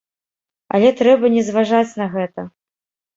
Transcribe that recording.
Але трэба не зважаць на гэта.